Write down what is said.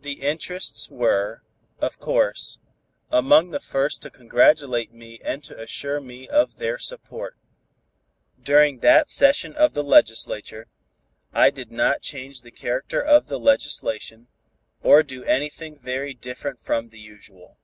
The interests, were, of course, among the first to congratulate me and to assure me of their support. During that session of the legislature, I did not change the character of the legislation, or do anything very different from the usual.